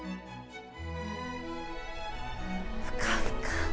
ふかふか。